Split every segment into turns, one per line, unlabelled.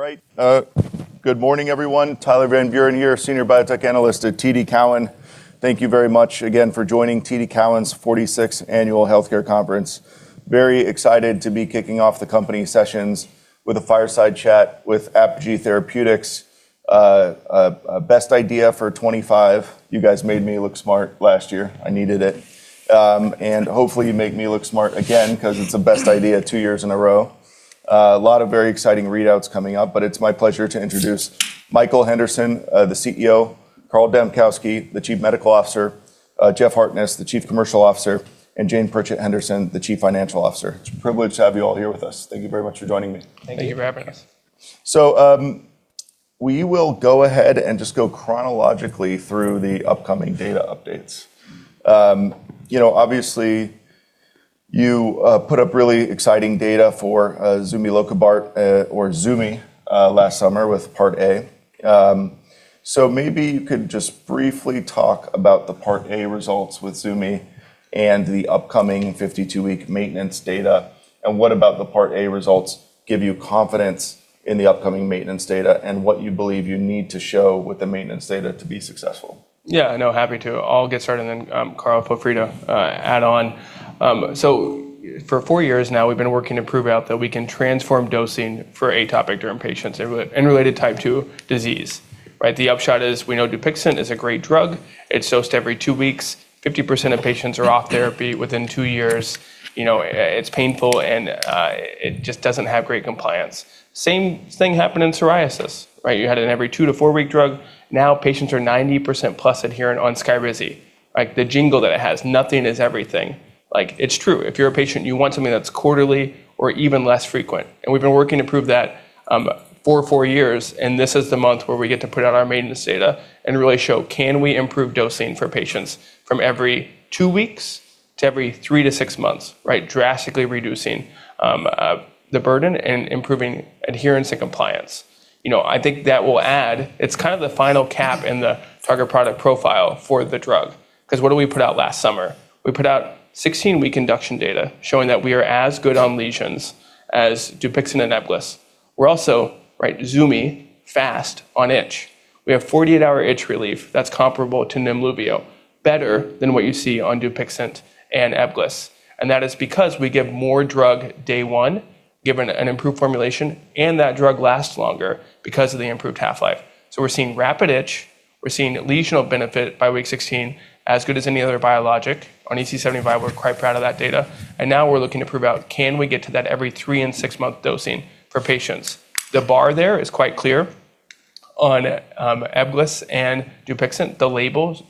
All right, good morning everyone. Tyler Van Buren here, Senior Biotech Analyst at TD Cowen. Thank you very much again for joining TD Cowen's 46th Annual Healthcare Conference. Very excited to be kicking off the company sessions with a fireside chat with Apogee Therapeutics, Best Idea for 2025. You guys made me look smart last year. I needed it. Hopefully you make me look smart again 'cause it's the Best Idea two years in a row. A lot of very exciting readouts coming up, it's my pleasure to introduce Michael Henderson, the CEO, Carl Dambkowski, the Chief Medical Officer, Jeff Hartness, the Chief Commercial Officer, and Jane Pritchett Henderson, the Chief Financial Officer. It's a privilege to have you all here with us. Thank you very much for joining me.
Thank you for having us.
We will go ahead and just go chronologically through the upcoming data updates. You know, obviously you put up really exciting data for zumilokibart or zumi last summer with Part A. Maybe you could just briefly talk about the Part A results with zumi and the upcoming 52-week maintenance data, and what about the Part A results give you confidence in the upcoming maintenance data, and what you believe you need to show with the maintenance data to be successful.
Happy to. I'll get started. Carl, feel free to add on. For four years now, we've been working to prove out that we can transform dosing for atopic dermatitis patients and related Type 2 inflammation, right? The upshot is we know Dupixent is a great drug. It's dosed every two weeks. 50% of patients are off therapy within two years. You know, it's painful, and it just doesn't have great compliance. Same thing happened in psoriasis, right? You had an every two to four-week drug. Now, patients are 90% plus adherent on SKYRIZI. Like, the jingle that it has, nothing is everything. Like, it's true. If you're a patient, you want something that's quarterly or even less frequent. We've been working to prove that for four years. This is the month where we get to put out our maintenance data and really show can we improve dosing for patients from every two weeks to every three to six months, right? Drastically reducing the burden and improving adherence and compliance. You know, I think that will. It's kind of the final cap in the target product profile for the drug 'cause what did we put out last summer? We put out 16-week induction data showing that we are as good on lesions as Dupixent and Ebglyss. We're also, right, zumilokibart, fast on itch. We have 48-hour itch relief that's comparable to Nemluvio, better than what you see on Dupixent and Ebglyss, and that is because we give more drug day 1, given an improved formulation, and that drug lasts longer because of the improved half-life. We're seeing rapid itch. We're seeing lesional benefit by week 16 as good as any other biologic. On EASI-75, we're quite proud of that data, and now we're looking to prove out can we get to that every 3 and 6-month dosing for patients. The bar there is quite clear. On Ebglyss and Dupixent, the labels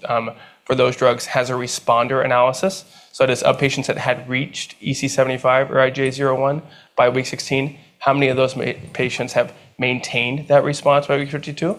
for those drugs has a responder analysis. That is of patients that had reached EASI-75 or IGA 0/1 by week 16, how many of those patients have maintained that response by week 52?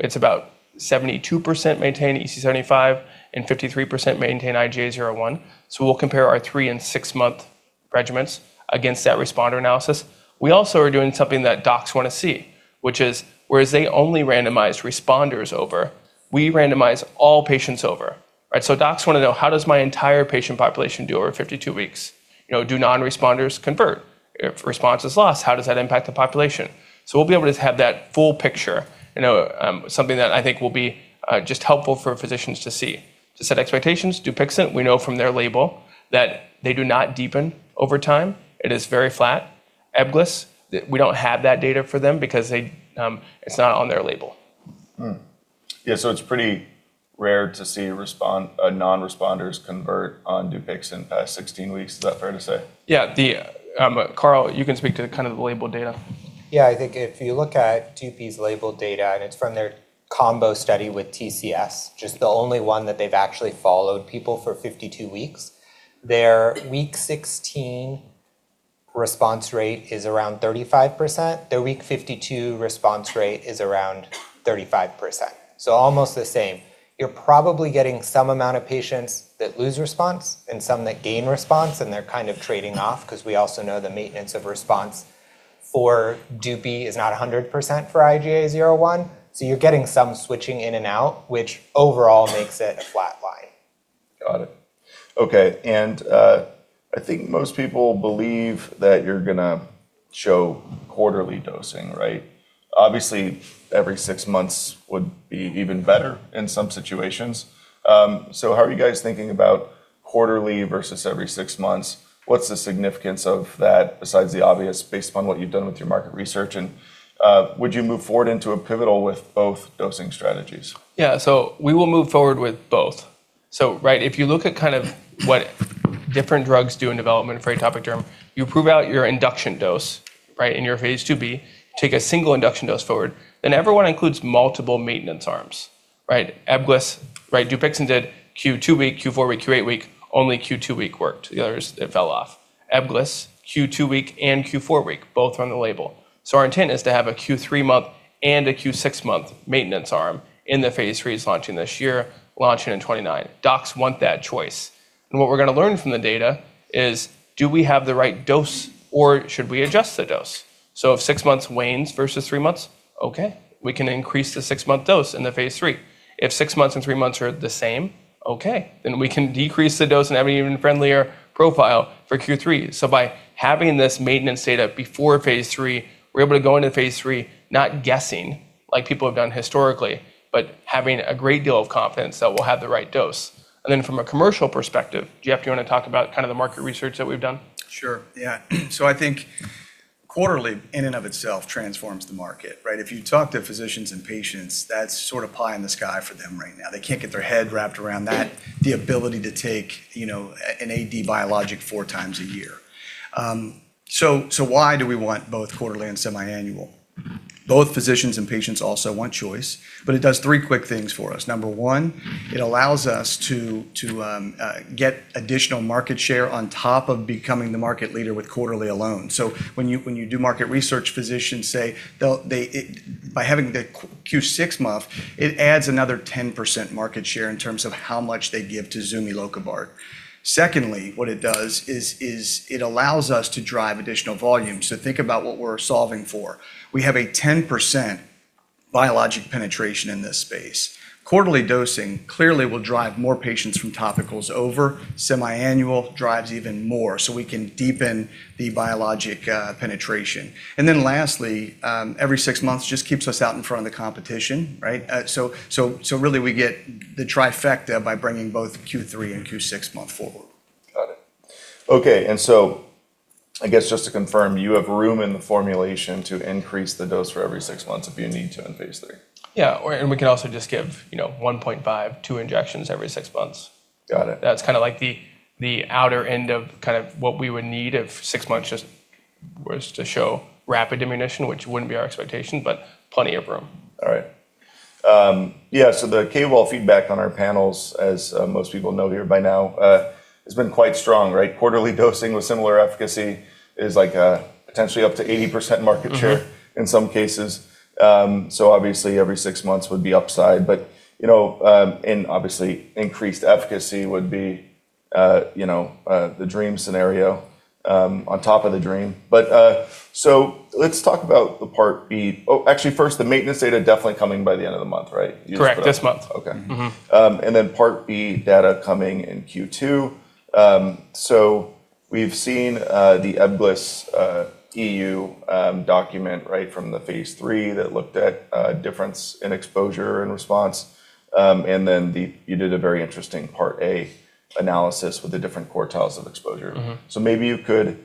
It's about 72% maintain EASI-75 and 53% maintain IGA 0/1. We'll compare our 3 and 6-month regimens against that responder analysis. We also are doing something that docs wanna see, which is whereas they only randomize responders over, we randomize all patients over, right? Docs wanna know, "How does my entire patient population do over 52 weeks?" You know, do non-responders convert? If response is lost, how does that impact the population? We'll be able to have that full picture, you know, something that I think will be just helpful for physicians to see. To set expectations, Dupixent, we know from their label that they do not deepen over time. It is very flat. Ebglyss, We don't have that data for them because they, it's not on their label.
Yeah, it's pretty rare to see non-responders convert on Dupixent by 16 weeks. Is that fair to say?
Yeah, Carl, you can speak to kind of the label data.
I think if you look at Dupixent's label data, it's from their combo study with TCS, which is the only one that they've actually followed people for 52 weeks, their week 16 response rate is around 35%. Their week 52 response rate is around 35%. Almost the same. You're probably getting some amount of patients that lose response and some that gain response, and they're kind of trading off 'cause we also know the maintenance of response for Dupixent is not 100% for IGA 0/1. You're getting some switching in and out, which overall makes it a flat line.
Got it. Okay, I think most people believe that you're gonna show quarterly dosing, right? Obviously, every 6 months would be even better in some situations. How are you guys thinking about quarterly versus every 6 months? What's the significance of that besides the obvious based upon what you've done with your market research, would you move forward into a pivotal with both dosing strategies?
Yeah. We will move forward with both. Right, if you look at kind of what different drugs do in development for atopic dermatitis, you prove out your induction dose, right? In your phase IIb, take a single induction dose forward. Everyone includes multiple maintenance arms, right? Ebglyss, right, Dupixent did Q 2-week, Q 4-week, Q 8-week. Only Q 2-week worked. The others, it fell off. Ebglyss, Q 2-week and Q 4-week, both are on the label. Our intent is to have a Q 3-month and a Q 6-month maintenance arm in the phase III that's launching this year, launching in 2029. Docs want that choice, and what we're gonna learn from the data is do we have the right dose or should we adjust the dose? If 6 months wanes versus 3 months, okay, we can increase the 6-month dose in the phase III. If 6 months and 3 months are the same, okay, then we can decrease the dose and have an even friendlier profile for Q3. By having this maintenance data before phase 3, we're able to go into phase 3 not guessing. Like people have done historically, but having a great deal of confidence that we'll have the right dose. From a commercial perspective, Jeff, do you wanna talk about kind of the market research that we've done?
Sure, yeah. I think quarterly in and of itself transforms the market, right? If you talk to physicians and patients, that's sort of pie in the sky for them right now. They can't get their head wrapped around that, the ability to take, you know, an AD biologic 4 times a year. Why do we want both quarterly and semi-annual? Both physicians and patients also want choice, but it does 3 quick things for us. Number one, it allows us to get additional market share on top of becoming the market leader with quarterly alone. When you do market research, physicians say by having the Q6M, it adds another 10% market share in terms of how much they give to zumilokibart. Secondly, what it does is, it allows us to drive additional volume. Think about what we're solving for. We have a 10% biologic penetration in this space. Quarterly dosing clearly will drive more patients from topicals over. Semi-annual drives even more, so we can deepen the biologic penetration. Then lastly, every 6 months just keeps us out in front of the competition, right? Really we get the trifecta by bringing both Q3 and Q6 month forward.
Got it. Okay. I guess just to confirm, you have room in the formulation to increase the dose for every six months if you need to in phase three?
Yeah, we can also just give, you know, 1.5, 2 injections every 6 months.
Got it.
That's kinda like the outer end of kind of what we would need if six months just was to show rapid remission, which wouldn't be our expectation, but plenty of room.
All right. Yeah, the KOLs feedback on our panels, as most people know here by now, has been quite strong, right? Quarterly dosing with similar efficacy is like, potentially up to 80% market share.
Mm-hmm...
in some cases. Obviously every 6 months would be upside. You know, obviously increased efficacy would be, you know, the dream scenario, on top of the dream. Let's talk about the part B. Actually first, the maintenance data definitely coming by the end of the month, right?
Correct, this month.
Okay.
Mm-hmm.
Part B data coming in Q2. We've seen the Ebglyss EU document right from the phase 3 that looked at difference in exposure and response. You did a very interesting part A analysis with the different quartiles of exposure.
Mm-hmm.
Maybe you could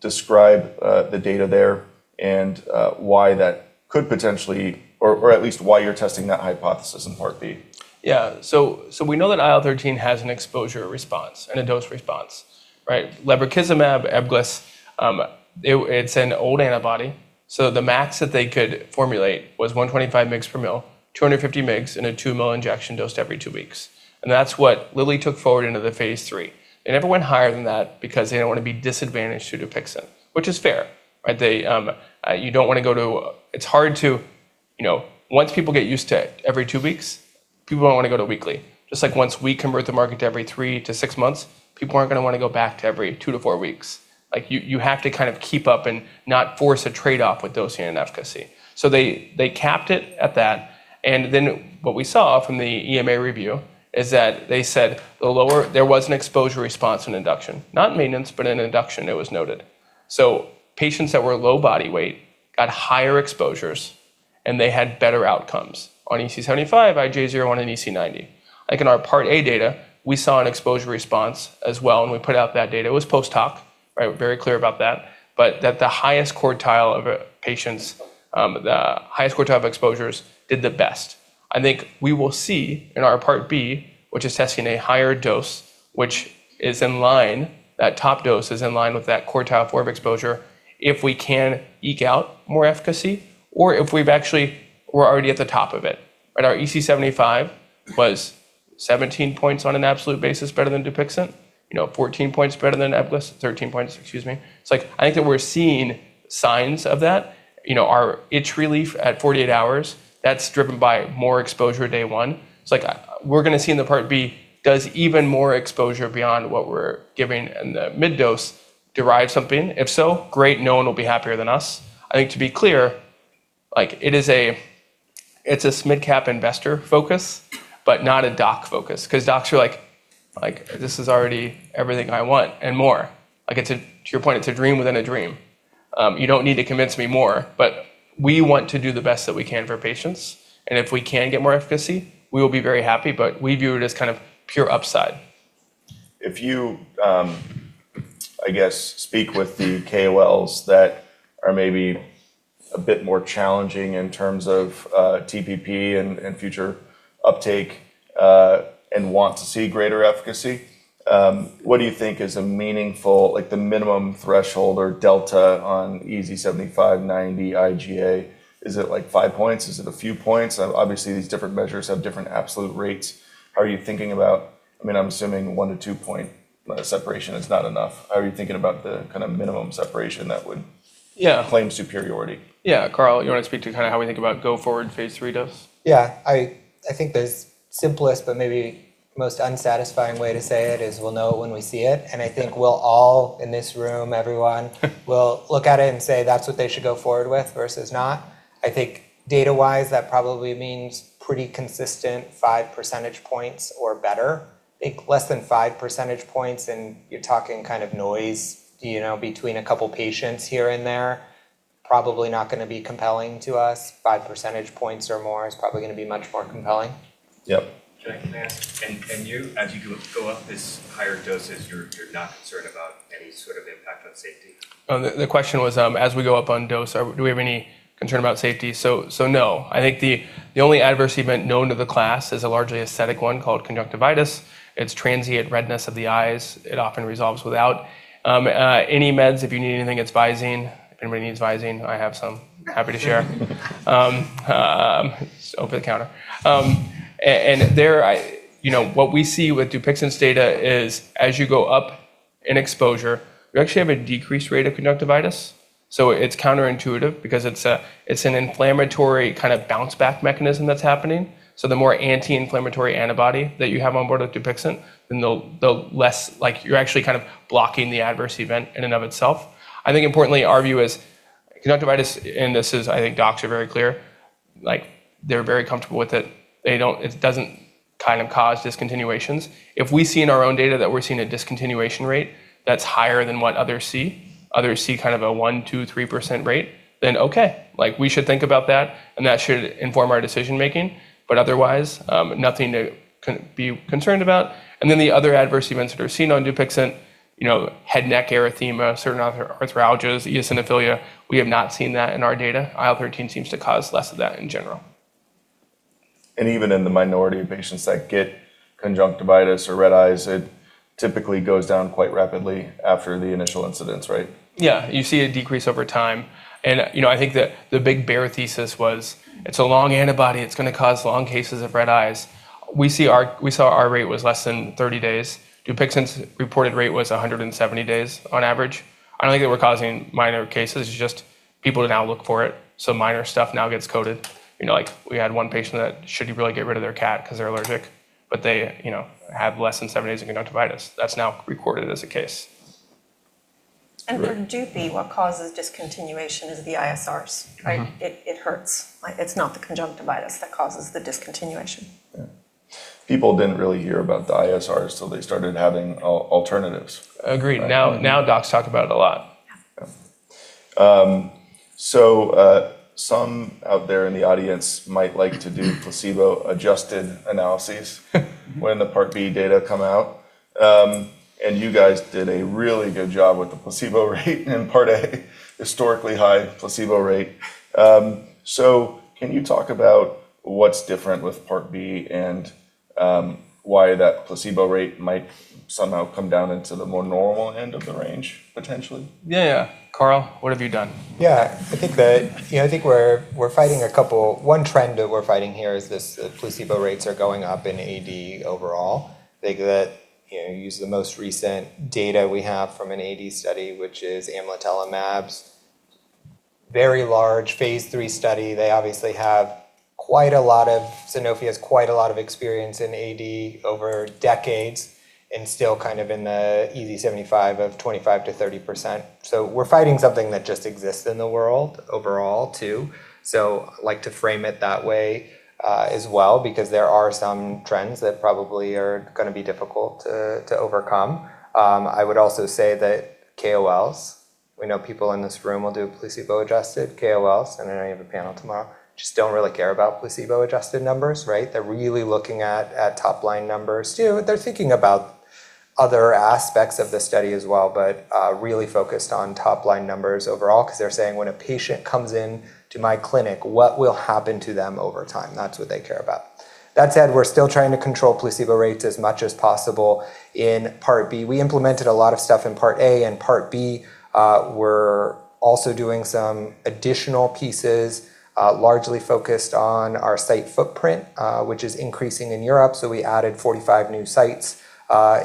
describe the data there and why that could potentially or at least why you're testing that hypothesis in part B.
Yeah. We know that IL-13 has an exposure response and a dose response, right? lebrikizumab Ebglyss, it's an old antibody, so the max that they could formulate was 125 mgs per ml, 250 mgs in a 2 ml injection dosed every 2 weeks, and that's what Lilly took forward into the phase 3. It never went higher than that because they don't wanna be disadvantaged to Dupixent, which is fair, right? They, you know, once people get used to every 2 weeks, people don't wanna go to weekly. Just like once we convert the market to every 3 to 6 months, people aren't gonna wanna go back to every 2 to 4 weeks. Like, you have to kind of keep up and not force a trade-off with dosing and efficacy. They capped it at that, what we saw from the EMA review is that they said there was an exposure response in induction, not in maintenance, but in induction it was noted. Patients that were low body weight got higher exposures, and they had better outcomes on EASI-75, IGA 0/1, and EASI-90. Like in our part A data, we saw an exposure response as well, and we put out that data. It was post-hoc, right? Very clear about that. That the highest quartile of patients, the highest quartile of exposures did the best. I think we will see in our part B, which is testing a higher dose, which is in line that top dose is in line with that quartile form of exposure, if we can eke out more efficacy or if we've actually... We're already at the top of it, right? Our EASI-75 was 17 points on an absolute basis better than Dupixent. You know, 14 points better than Ebglyss. 13 points, excuse me. It's like I think that we're seeing signs of that. You know, our itch relief at 48 hours, that's driven by more exposure day 1. It's like, we're gonna see in the part B, does even more exposure beyond what we're giving in the mid dose derive something? If so, great, no one will be happier than us. I think to be clear, like it's a mid-cap investor focus, but not a doc focus, 'cause docs are like, "This is already everything I want and more." Like it's a to your point, it's a dream within a dream. You don't need to convince me more, but we want to do the best that we can for patients, and if we can get more efficacy, we will be very happy, but we view it as kind of pure upside.
If you, I guess, speak with the KOLs that are maybe a bit more challenging in terms of TPP and future uptake, and want to see greater efficacy, what do you think is like the minimum threshold or delta on EASI-75, 90, IGA? Is it like 5 points? Is it a few points? Obviously, these different measures have different absolute rates. How are you thinking about... I mean, I'm assuming 1 to 2 point separation is not enough. How are you thinking about the kind of minimum separation that would-
Yeah...
claim superiority?
Yeah. Carl, you wanna speak to kinda how we think about go forward phase 3 dose?
Yeah. I think the simplest but maybe most unsatisfying way to say it is we'll know it when we see it, and I think we'll all in this room, everyone, will look at it and say that's what they should go forward with versus not. I think data-wise, that probably means pretty consistent 5 percentage points or better. I think less than 5 percentage points, and you're talking kind of noise, you know, between a couple patients here and there. Probably not gonna be compelling to us. 5 percentage points or more is probably gonna be much more compelling.
Yep.
Can I ask, can you, as you go up this higher doses, you're not concerned about any sort of impact on safety?
The question was, as we go up on dose, do we have any concern about safety? No. I think the only adverse event known to the class is a largely aesthetic one called conjunctivitis. It's transient redness of the eyes. It often resolves without any meds, if you need anything, it's Visine. If anybody needs Visine, I have some. Happy to share. It's over the counter. You know, what we see with Dupixent's data is as you go up in exposure, we actually have a decreased rate of conjunctivitis. It's counterintuitive because it's an inflammatory kind of bounce back mechanism that's happening. The more anti-inflammatory antibody that you have on board with Dupixent, then the less... Like, you're actually kind of blocking the adverse event in and of itself. I think importantly our view is conjunctivitis, and this is I think docs are very clear, like they're very comfortable with it. It doesn't kind of cause discontinuations. If we see in our own data that we're seeing a discontinuation rate that's higher than what others see, others see kind of a 1%, 2%, 3% rate, then okay. Like, we should think about that, and that should inform our decision-making. Otherwise, nothing to be concerned about. The other adverse events that are seen on Dupixent, you know, head and neck erythema, certain arthralgias, eosinophilia, we have not seen that in our data. IL-13 seems to cause less of that in general.
Even in the minority of patients that get conjunctivitis or red eyes, it typically goes down quite rapidly after the initial incidents, right?
Yeah. You see a decrease over time. You know, I think the big bear thesis was it's a long antibody, it's gonna cause long cases of red eyes. We saw our rate was less than 30 days. Dupixent's reported rate was 170 days on average. I don't think that we're causing minor cases. It's just people now look for it, minor stuff now gets coded. You know, like we had 1 patient that should really get rid of their cat 'cause they're allergic, they, you know, have less than 7 days of conjunctivitis. That's now recorded as a case.
Great.
For Dupi, what causes discontinuation is the ISR, right?
Mm-hmm.
It hurts. Like, it's not the conjunctivitis that causes the discontinuation.
Yeah. People didn't really hear about the ISR till they started having alternatives.
Agreed. Now docs talk about it a lot.
Yeah.
Yeah. Some out there in the audience might like to do placebo-adjusted analyses when the Part B data come out. You guys did a really good job with the placebo rate in Part A. Historically high placebo rate. Can you talk about what's different with Part B and why that placebo rate might somehow come down into the more normal end of the range potentially?
Yeah, yeah. Carl, what have you done?
Yeah. You know, I think we're fighting. One trend that we're fighting here is this placebo rates are going up in AD overall. You know, use the most recent data we have from an AD study, which is tralokinumab's very large phase 3 study. They obviously have quite a lot of experience in AD over decades, and still kind of in the EASI-75 of 25%-30%. We're fighting something that just exists in the world overall too. Like to frame it that way as well, because there are some trends that probably are gonna be difficult to overcome. I would also say that KOLs, we know people in this room will do placebo-adjusted. KOLs, I know you have a panel tomorrow, just don't really care about placebo-adjusted numbers, right? They're really looking at top-line numbers too, they're thinking about other aspects of the study as well, really focused on top-line numbers overall, 'cause they're saying, "When a patient comes into my clinic, what will happen to them over time?" That's what they care about. That said, we're still trying to control placebo rates as much as possible in Part B. We implemented a lot of stuff in Part A and Part B. We're also doing some additional pieces, largely focused on our site footprint, which is increasing in Europe. We added 45 new sites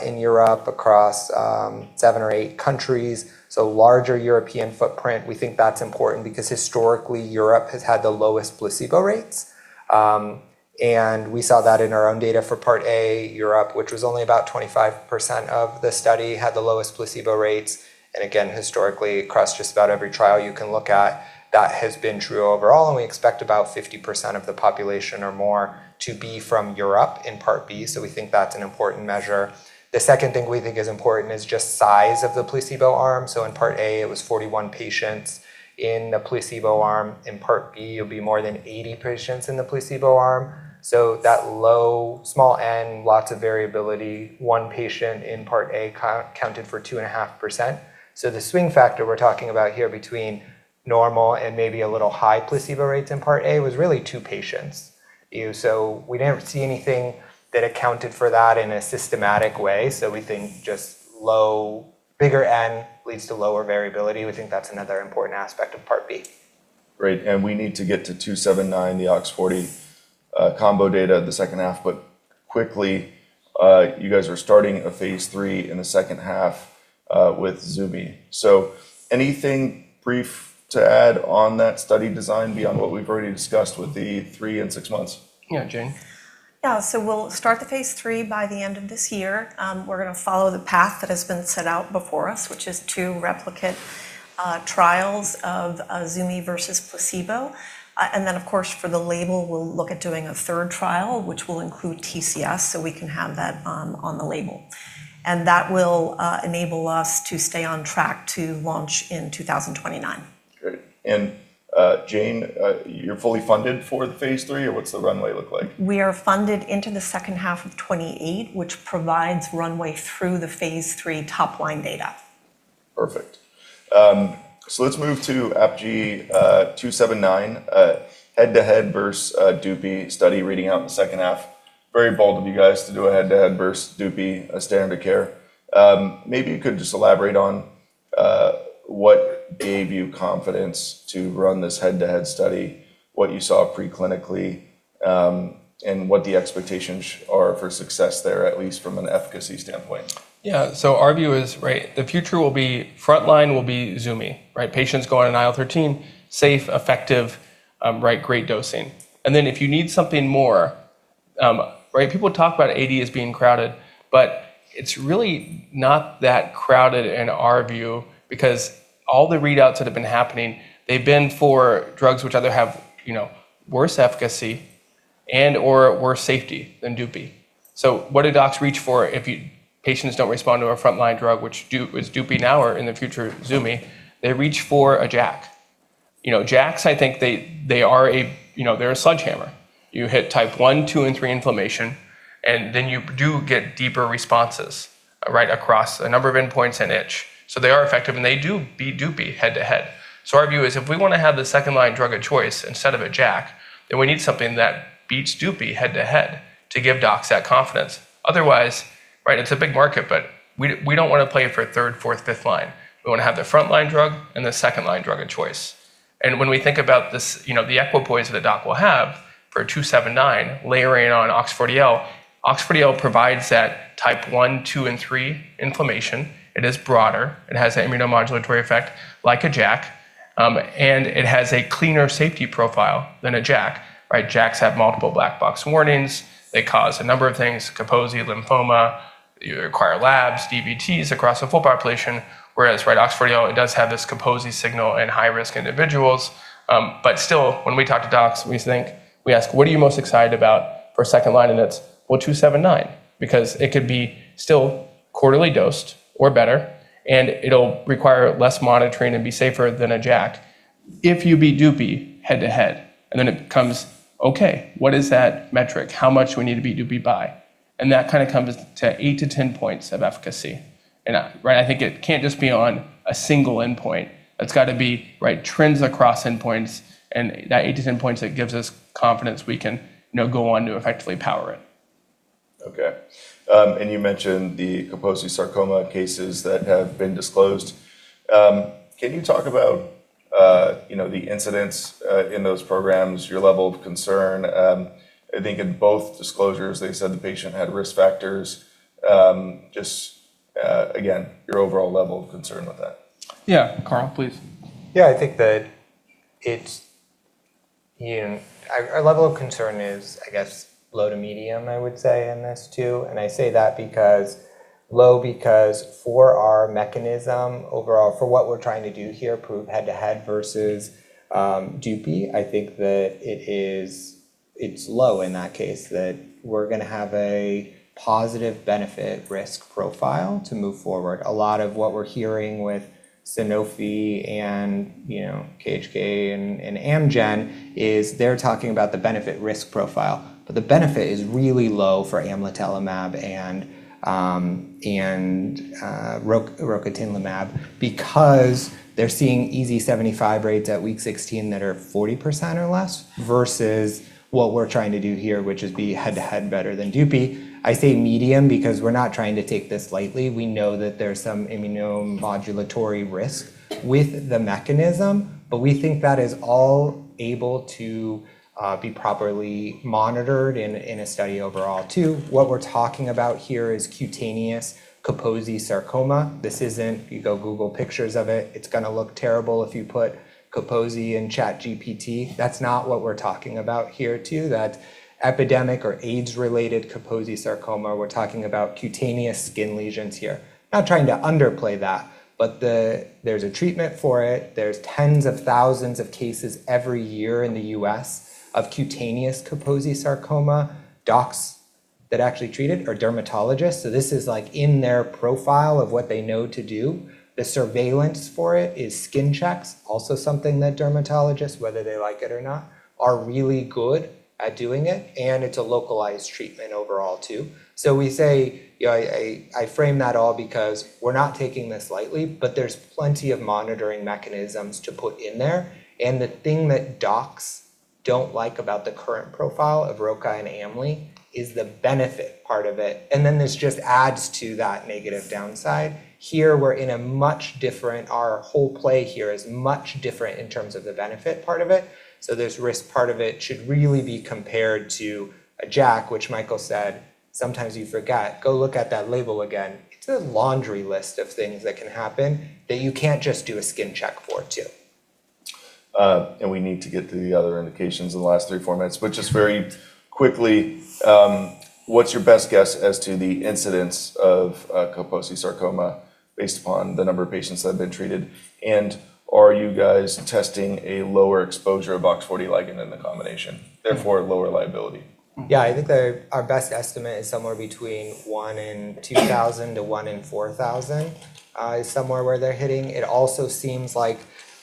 in Europe across 7 or 8 countries, so larger European footprint. We think that's important because historically Europe has had the lowest placebo rates. We saw that in our own data for Part A. Europe, which was only about 25% of the study, had the lowest placebo rates. Again, historically, across just about every trial you can look at, that has been true overall, and we expect about 50% of the population or more to be from Europe in Part B, so we think that's an important measure. The second thing we think is important is just size of the placebo arm. In Part A, it was 41 patients in the placebo arm. In Part B, it'll be more than 80 patients in the placebo arm. That low, small N, lots of variability. One patient in Part A counted for 2.5%. The swing factor we're talking about here between normal and maybe a little high placebo rates in Part A was really two patients. We didn't see anything that accounted for that in a systematic way, so we think just bigger N leads to lower variability. We think that's another important aspect of Part B.
Great. We need to get to 279, the OX40 combo data the second half. Quickly, you guys are starting a phase 3 in the second half with Zumi. Anything brief to add on that study design beyond what we've already discussed with the 3 and 6 months?
Yeah. Jane?
We'll start the phase III by the end of this year. We're gonna follow the path that has been set out before us, which is two replicate trials of Zumi versus placebo. Of course, for the label, we'll look at doing a third trial, which will include TCS, so we can have that on the label. That will enable us to stay on track to launch in 2029.
Great. Jane, you're fully funded for the phase three, or what's the runway look like?
We are funded into the second half of 2028, which provides runway through the phase 3 top-line data.
Perfect. Let's move to APG279 head-to-head versus Dupixent study reading out in the second half. Very bold of you guys to do a head-to-head versus Dupixent, a standard care. Maybe you could just elaborate on what gave you confidence to run this head-to-head study, what you saw pre-clinically, and what the expectations are for success there, at least from an efficacy standpoint.
Yeah. Our view is, right, the future will be frontline will be ZUMI, right? Patients go on IL-13, safe, effective, right, great dosing. If you need something more, right, people talk about AD as being crowded, but it's really not that crowded in our view because all the readouts that have been happening, they've been for drugs which either have, you know, worse efficacy and/or worse safety than DUPI. What do docs reach for if patients don't respond to a frontline drug, which is DUPI now or in the future ZUMI? They reach for a JAK. You know, JAKs, I think they are a, you know, they're a sledgehammer. You hit Type 1, 2, and 3 inflammation, you do get deeper responses, right, across a number of endpoints and itch. They are effective, and they do beat DUPI head-to-head. Our view is if we wanna have the second-line drug of choice instead of a JAK, then we need something that beats DUPI head-to-head to give docs that confidence. Otherwise, right, it's a big market, but we don't wanna play for third, fourth, fifth line. We wanna have the frontline drug and the second-line drug of choice. When we think about this, you know, the equipoise that a doc will have for 279 layering on OX40L provides that Type 1, 2, and 3 inflammation. It is broader. It has that immunomodulatory effect like a JAK, and it has a cleaner safety profile than a JAK, right? JAKs have multiple black box warnings. They cause a number of things, Kaposi, lymphoma. You require labs, DVTs across the full population, whereas, right, OX40L, it does have this Kaposi signal in high-risk individuals. Still, when we talk to docs, we ask, "What are you most excited about for second-line?" It's, "Well, 279," because it could be still quarterly dosed or better, and it'll require less monitoring and be safer than a JAK if you beat DUPI head-to-head. Then it becomes, okay, what is that metric? How much do we need to beat DUPI by? That kind of comes to 8-10 points of efficacy. Right, I think it can't just be on a single endpoint. It's gotta be, right, trends across endpoints and that 8-10 points that gives us confidence we can, you know, go on to effectively power it.
Okay. You mentioned the Kaposi sarcoma cases that have been disclosed. Can you talk about, you know, the incidents in those programs, your level of concern? I think in both disclosures, they said the patient had risk factors. Just again, your overall level of concern with that.
Yeah. Carl, please.
Yeah. I think that it's, our level of concern is, I guess, low to medium, I would say, in this too. I say that because low because for our mechanism overall, for what we're trying to do here, prove head-to-head versus DUPI, I think that it's low in that case, that we're gonna have a positive benefit risk profile to move forward. A lot of what we're hearing with Sanofi, KHK and Amgen is they're talking about the benefit risk profile, but the benefit is really low for amlitelimab and rocatinlimab because they're seeing EASI-75 rates at week 16 that are 40% or less versus what we're trying to do here, which is be head-to-head better than DUPI. I say medium because we're not trying to take this lightly. We know that there's some immunomodulatory risk with the mechanism, but we think that is all able to be properly monitored in a study overall too. What we're talking about here is cutaneous Kaposi sarcoma. This isn't... If you go Google pictures of it's gonna look terrible if you put Kaposi in ChatGPT. That's not what we're talking about here too, that epidemic or AIDS-related Kaposi sarcoma. We're talking about cutaneous skin lesions here. Not trying to underplay that, but there's a treatment for it. There's tens of thousands of cases every year in the US of cutaneous Kaposi sarcoma. Docs that actually treat it are dermatologists, so this is, like, in their profile of what they know to do. The surveillance for it is skin checks, also something that dermatologists, whether they like it or not, are really good at doing it, and it's a localized treatment overall too. You know, I frame that all because we're not taking this lightly, but there's plenty of monitoring mechanisms to put in there, and the thing that docs don't like about the current profile of rocatinlimab and amlitelimab is the benefit part of it, and then this just adds to that negative downside. Our whole play here is much different in terms of the benefit part of it, so this risk part of it should really be compared to a JAK, which Michael said, sometimes you forget. Go look at that label again. It's a laundry list of things that can happen that you can't just do a skin check for too.
We need to get to the other indications in the last three, four minutes, but just very quickly, what's your best guess as to the incidence of Kaposi sarcoma based upon the number of patients that have been treated. Are you guys testing a lower exposure of OX40 Ligand in the combination, therefore lower liability?
Yeah, I think that our best estimate is somewhere between 1 in 2,000 to 1 in 4,000 is somewhere where they're hitting. It also seems like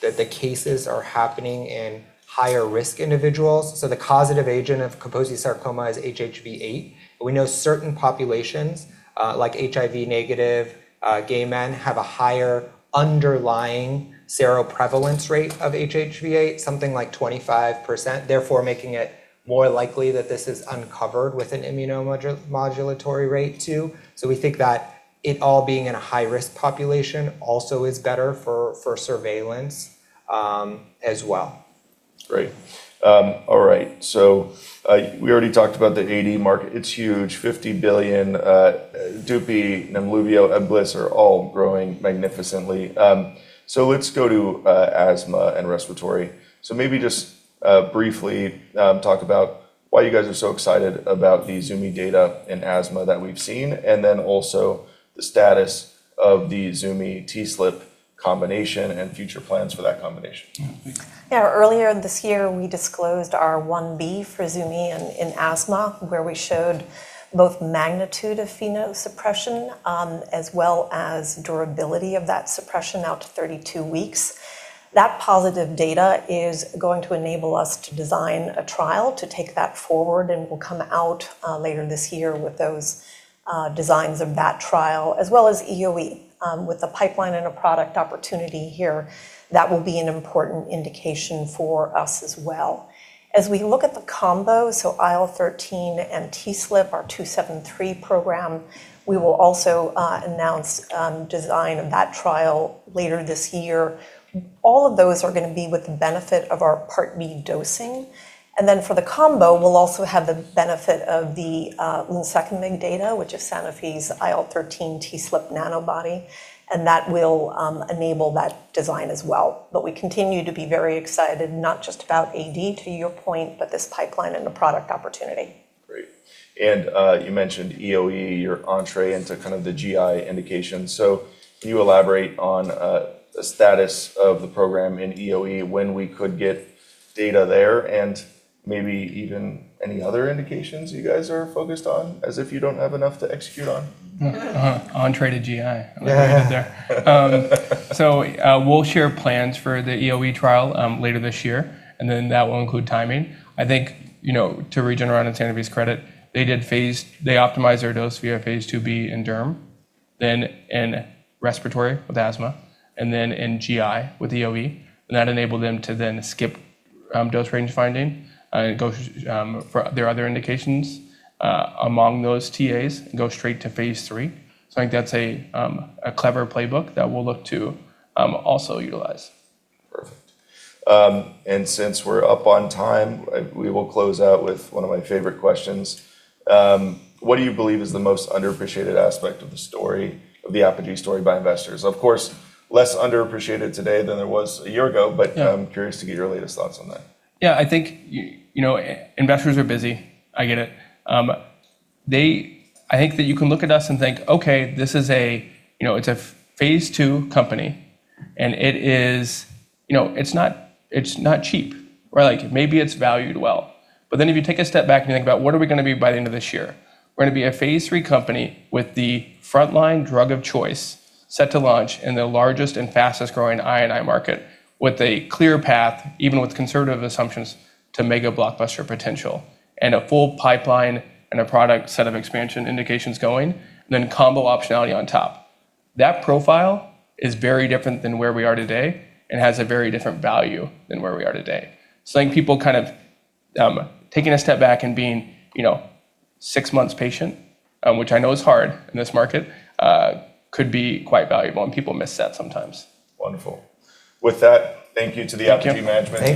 that the cases are happening in higher risk individuals. The causative agent of Kaposi sarcoma is HHV-8. But we know certain populations, like HIV negative, gay men, have a higher underlying seroprevalence rate of HHV-8, something like 25%, therefore making it more likely that this is uncovered with an immunomodulatory rate too. We think that it all being in a high-risk population also is better for surveillance as well.
Great. All right. We already talked about the AD market. It's huge, $50 billion. Dupi, Nemluvio, Ebglyss are all growing magnificently. Let's go to asthma and respiratory. Maybe just briefly talk about why you guys are so excited about the Zumi data in asthma that we've seen, and then also the status of the Zumi TSLP combination and future plans for that combination.
Earlier this year, we disclosed our 1B for Zumi in asthma, where we showed both magnitude of phenotypic suppression, as well as durability of that suppression out to 32 weeks. That positive data is going to enable us to design a trial to take that forward, and we'll come out later this year with those designs of that trial, as well as EoE. With a pipeline and a product opportunity here, that will be an important indication for us as well. As we look at the combo, so IL-13 and TSLP, our 273 program, we will also announce design of that trial later this year. All of those are gonna be with the benefit of our Part B dosing. For the combo, we'll also have the benefit of the lunsekimig data, which is Sanofi's IL-13 TSLP nanobody, and that will enable that design as well. We continue to be very excited, not just about AD, to your point, but this pipeline and the product opportunity.
Great. You mentioned EoE, your entrée into kind of the GI indication. Can you elaborate on the status of the program in EoE, when we could get data there, and maybe even any other indications you guys are focused on, as if you don't have enough to execute on?
Entrée to GI.
Yeah.
I like what you did there. We'll share plans for the EoE trial later this year, and then that will include timing. I think, you know, to Regeneron and Sanofi's credit, they optimized their dose via phase 2B in derm, then in respiratory with asthma, and then in GI with EoE. That enabled them to then skip dose range finding and go for their other indications among those TAs, and go straight to phase 3. I think that's a clever playbook that we'll look to also utilize.
Perfect. Since we're up on time, we will close out with one of my favorite questions. What do you believe is the most underappreciated aspect of the Apogee story by investors? Of course, less underappreciated today than it was a year ago.
Yeah
I'm curious to get your latest thoughts on that.
I think, you know, investors are busy. I get it. I think that you can look at us and think, "Okay, this is a, you know, it's a phase 2 company, and it is, you know, it's not, it's not cheap." Like, maybe it's valued well. If you take a step back and you think about what are we gonna be by the end of this year? We're gonna be a phase 3 company with the frontline drug of choice set to launch in the largest and fastest-growing I&I market with a clear path, even with conservative assumptions, to mega blockbuster potential and a full pipeline and a product set of expansion indications going, and combo optionality on top. That profile is very different than where we are today and has a very different value than where we are today. I think people kind of, taking a step back and being, you know, 6 months patient, which I know is hard in this market, could be quite valuable, and people miss that sometimes.
Wonderful. With that, thank you to the Apogee management team.